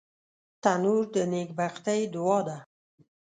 تنور د نیکبختۍ دعا ده